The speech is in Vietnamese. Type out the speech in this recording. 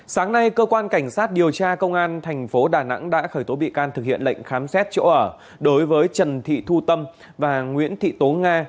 sáng nay cơ quan cảnh sát điều tra công an thành phố đà nẵng đã khởi tố bị can thực hiện lệnh khám xét chỗ ở đối với trần thị thu tâm và nguyễn thị tố nga